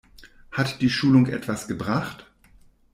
Hat die Schulung etwas gebracht?